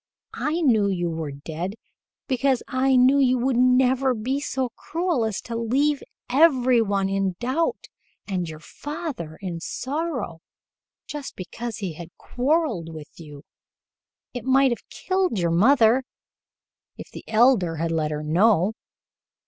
I knew you were dead, because I knew you never would be so cruel as to leave every one in doubt and your father in sorrow just because he had quarreled with you. It might have killed your mother if the Elder had let her know."